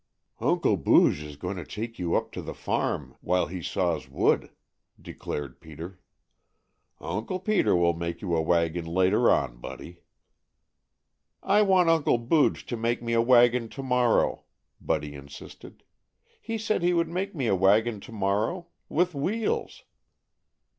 "Uncle Booge is going to take you up to the farm while he saws wood," declared Peter. "Uncle Peter will make you a wagon later on, Buddy." "I want Uncle Booge to make me a wagon to morrow," Buddy insisted. "He said he would make me a wagon to morrow. With wheels."